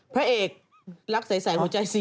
พระเอกรักใสหัวใจสิ